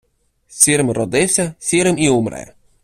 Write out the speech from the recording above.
Сірим родився, сірим і умре.